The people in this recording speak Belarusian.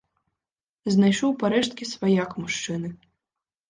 Знайшоў парэшткі сваяк мужчыны.